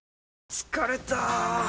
疲れた！